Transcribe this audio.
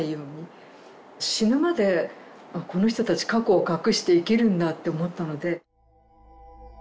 死ぬまでこの人たち過去を隠して生きるんだって思ったので。